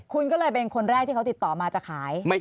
คุณก็เลยเป็นคนแรกที่เขาติดต่อมาจะขาย